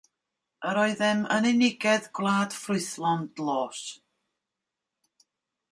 Yr oeddem yn unigedd gwlad ffrwythlon dlos.